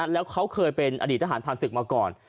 แล้วเขาเคยเป็นอดีตทหารผ่านศึกมาก่อน